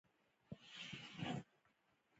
ورور سره خندا کوې.